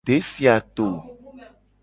Desi a to.